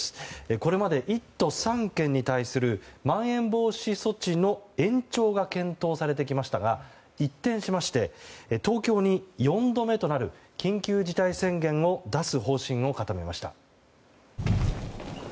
これまで、１都３県に対するまん延防止措置の延長が検討されてきましたが一転しまして東京に４度目となる緊急事態宣言を出す方針を固めました。